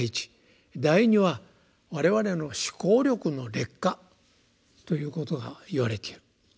第二は我々の思考力の劣化ということが言われている。